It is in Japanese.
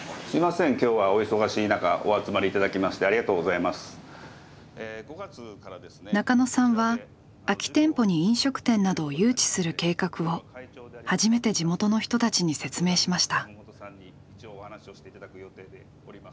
すいません今日は中野さんは空き店舗に飲食店などを誘致する計画を初めて地元の人たちに説明しました。